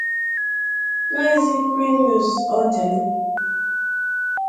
Maazị Primus Ọdịlị